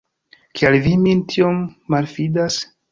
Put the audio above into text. Kial vi min tiom malﬁdas?